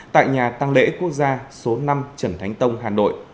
tại nhà tăng lễ quốc gia số năm trần thánh tông hà nội